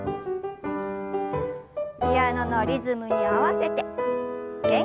ピアノのリズムに合わせて元気よく。